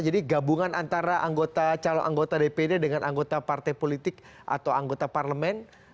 jadi gabungan antara calon anggota dpd dengan anggota partai politik atau anggota parlemen